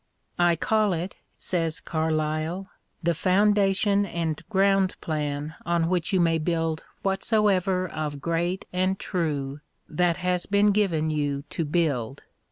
" I call it," says Carlyle, " the foundation and ground plan on which you may build whatsoever of great and true that has been given you to build."